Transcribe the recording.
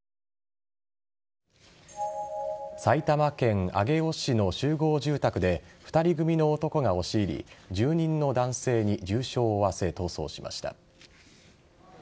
埼玉県上尾市の集合住宅で２人組の男が押し入り住人の男性に重傷を負わせ逃走しました。